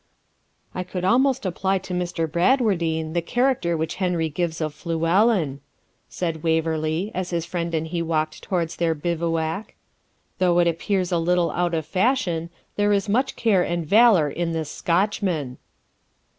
'I could almost apply to Mr. Bradwardine the character which Henry gives of Fluellen,' said Waverley, as his friend and he walked towards their bivouac: 'Though it appears a little out of fashion, There is much care and valour in this "Scotchman."'